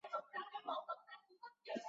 当时密夫林被视为相对温和的辉格派。